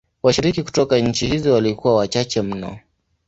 Washiriki kutoka nchi hizi walikuwa wachache mno.